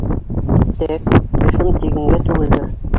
— Тәк, төшөм тигенгә түгелдер.